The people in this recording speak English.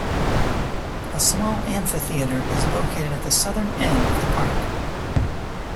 A small amphitheatre is located at the southern end of the park.